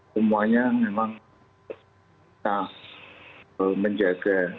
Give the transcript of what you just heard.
semuanya memang kita menjaga